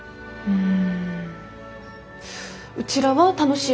うん。